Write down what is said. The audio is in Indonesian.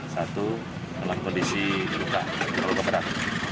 satu dalam kondisi luka luka berat